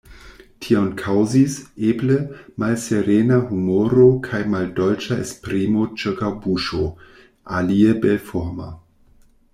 Tion kaŭzis, eble, malserena humoro kaj maldolĉa esprimo ĉirkaŭ buŝo, alie belforma.